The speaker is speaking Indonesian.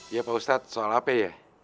ya pak ustadz soal apa ya